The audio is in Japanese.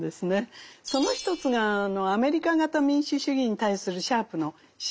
その一つがアメリカ型民主主義に対するシャープの姿勢なんですね。